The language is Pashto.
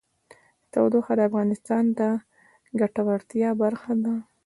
تودوخه د افغانانو د ګټورتیا برخه ده.